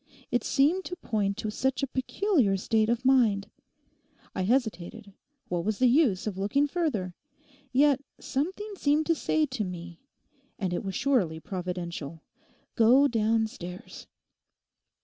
It seemed to point to such a peculiar state of mind. I hesitated; what was the use of looking further? Yet something seemed to say to me—and it was surely providential—"Go downstairs!"